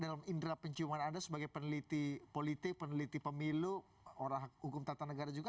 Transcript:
dalam indera penciuman anda sebagai peneliti politik peneliti pemilu orang hukum tata negara juga